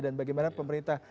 dan bagaimana pemerintah